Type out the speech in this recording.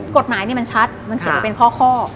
กฎหมายนี่มันชัดมันเขียนมาเป็นข้อ